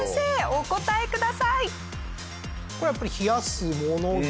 お答えください。